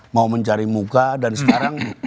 mau mencari muka dan sekarang